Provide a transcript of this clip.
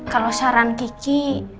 kalau saran kiki